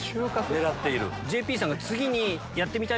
狙っている？